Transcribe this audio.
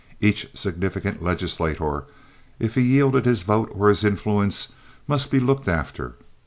Each significant legislator, if he yielded his vote or his influence, must be looked after.